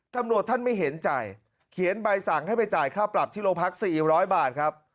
ตำรวจท่านไม่เห็นจ่ายเขียนใบสั่งให้ไปจ่ายค่าปรับที่โรงพยาบาล๔๐๐บาทครับ